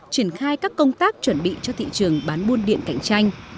triển khai các công tác chuẩn bị cho thị trường bán buôn điện cạnh tranh